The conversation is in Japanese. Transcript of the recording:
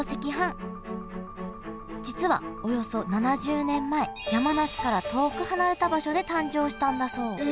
実はおよそ７０年前山梨から遠く離れた場所で誕生したんだそうえ